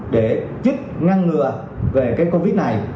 để giúp ngăn ngừa về cái covid này